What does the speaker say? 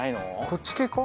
こっち系か？